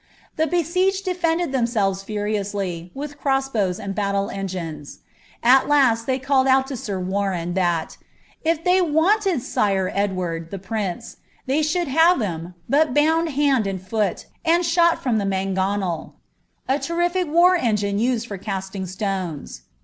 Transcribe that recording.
The besieged defended themselves furiously, with cross bows and battle engines : at last they called out to sir Warren, that ^ if they wanted sire Edward, the prince, they should have him, but bound hand tod foot, and shot from the mangonel" — a terrific war engine used foi casting stones.